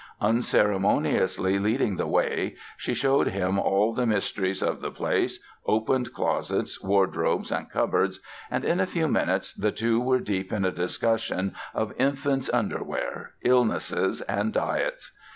Unceremoniously leading the way she showed him all the mysteries of the place, opened closets, wardrobes and cupboards and in a few minutes the two were deep in a discussion of infants' underwear, illnesses and diets.